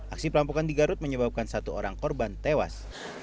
aksi perampokan di garut menyebabkan satu orang korban tewas